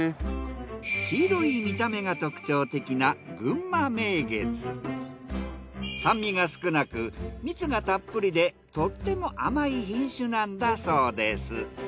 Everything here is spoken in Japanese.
黄色い見た目が特徴的な酸味が少なく蜜がたっぷりでとっても甘い品種なんだそうです。